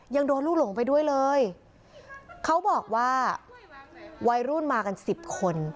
ยังโดนลูกหลงไปด้วยเลยเขาบอกว่าวัยรุ่นมากันสิบคน